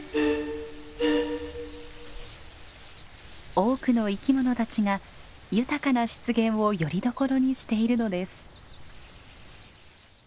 多くの生き物たちが豊かな湿原をよりどころにしているのです。